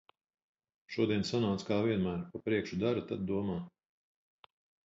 Šodien sanāca kā vienmēr - pa priekšu dara, tad domā.